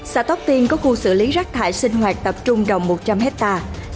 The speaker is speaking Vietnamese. xã tóc tiên có khu xử lý rác thải sinh hoạt tập trung đồng một trăm linh hectare